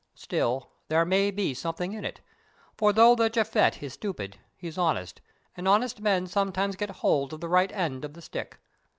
Still, there may be something in it, for though that Japhet is stupid, he's honest, and honest men sometimes get hold of the right end of the stick.